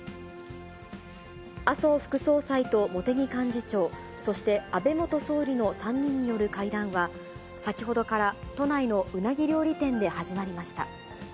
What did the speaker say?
麻生副総裁と茂木幹事長、そして安倍元総理の３人による会談は、先ほどから都内のうなぎ料理店で始まりました。